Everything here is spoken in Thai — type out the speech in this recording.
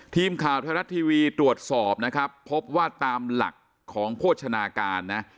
ทีมข่าวไทยรัฐทีวีตรวจสอบนะครับพบว่าตามหลักของโภชนาการนะ